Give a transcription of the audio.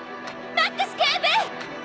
マックス警部！